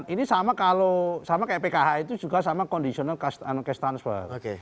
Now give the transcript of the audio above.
ini sama kalau sama kayak pkh itu juga sama conditional cash transfer